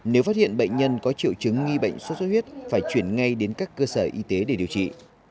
nếu phát hiện bệnh nhân có triệu chứng nghi bệnh sốt xuất huyết phải chuyển ngay đến các cơ sở y tế để điều trị